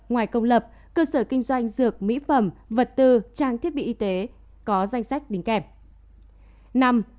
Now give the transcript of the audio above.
ngoài công lập cơ sở kinh doanh dược mỹ phẩm vật tư trang thiết bị y tế có danh sách đính kèm